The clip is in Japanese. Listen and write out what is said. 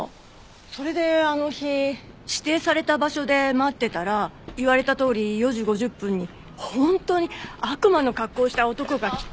それであの日指定された場所で待ってたら言われたとおり４時５０分に本当に悪魔の格好をした男が来て。